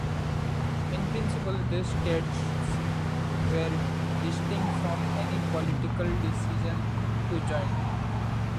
In principle, these tests were distinct from any political decision to join.